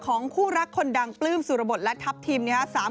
ของคู่รักคนดังปลื้มสุรบทและทัพทีม